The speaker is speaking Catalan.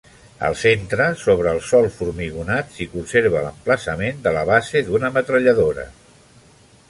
Al centre, sobre el sòl formigonat, s'hi conserva l'emplaçament de la base d'una metralladora.